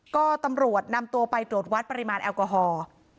ก็ตำรวจนำตัวไปตรวจวัดปริมาณแอลกอฮอล์